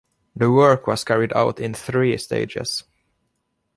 The work was carried out in three stages.